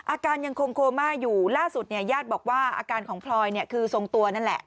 อาการยังคงโคม่าอยู่ล่าสุดเนี่ยญาติบอกว่าอาการของพลอยคือทรงตัวนั่นแหละ